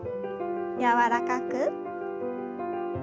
柔らかく。